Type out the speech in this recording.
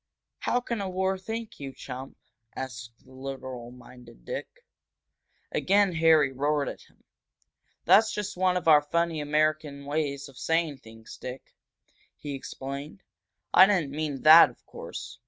"How can a war think, you chump?" asked the literal minded Dick. Again Harry roared at him. "That's just one of our funny American ways of saying things, Dick," he explained. "I didn't mean that, of course.